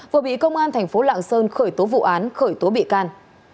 vừa bị công an tp lạng sơn khởi tố vụ án khởi tố bị can